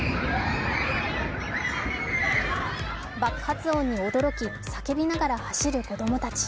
爆発音に驚き叫びながら走る子供たち。